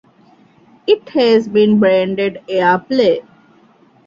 It has been branded "AirPlay".